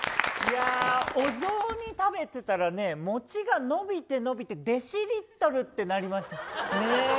お雑煮食べてたらね餅が伸びて伸びてデシリットルってなりました。